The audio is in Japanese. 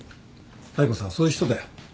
妙子さんはそういう人だよ。